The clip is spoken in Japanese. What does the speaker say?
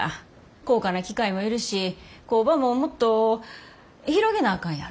高価な機械もいるし工場ももっと広げなあかんやろ。